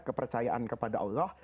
kepercayaan kepada allah